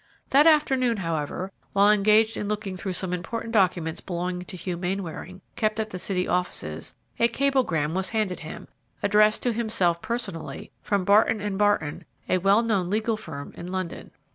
That afternoon, however, while engaged in looking through some important documents belonging to Hugh Mainwaring, kept at the city offices, a cablegram was handed him, addressed to himself personally, from Barton & Barton, a well known legal firm in London.